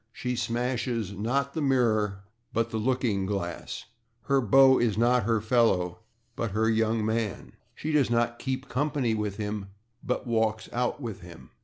She smashes, not the /mirror/, but the /looking glass/. Her beau is not her /fellow/, but her /young man/. She does not /keep company/ with him but /walks out/ with him.